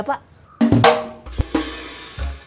bapak ya pak